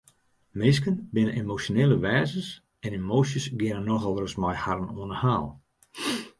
Minsken binne emosjonele wêzens en emoasjes geane nochal ris mei harren oan 'e haal.